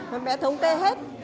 các bé thống kê hết